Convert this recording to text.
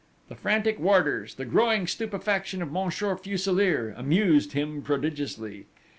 The frantic warders, the growing stupefaction of Monsieur Fuselier, amused him prodigiously.